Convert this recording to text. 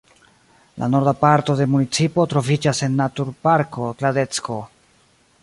La norda parto de municipo troviĝas en naturparko Kladecko.